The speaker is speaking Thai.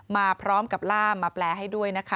มาพร้อมกับล่ามมาแปลให้ด้วยนะคะ